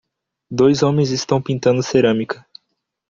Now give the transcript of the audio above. Dois homens estão pintando cerâmica.